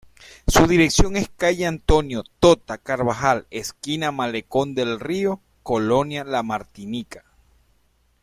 Su dirección es Calle Antonio "Tota" Carbajal esquina Malecón del Río, Colonia La Martinica.